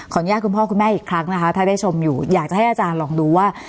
อนุญาตคุณพ่อคุณแม่อีกครั้งนะคะถ้าได้ชมอยู่อยากจะให้อาจารย์ลองดูว่า